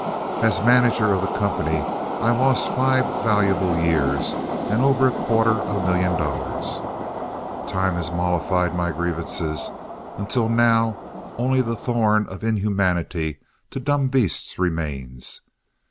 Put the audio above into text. As manager of the company I lost five valuable years and over a quarter million dollars. Time has mollified my grievances until now only the thorn of inhumanity to dumb beasts remains.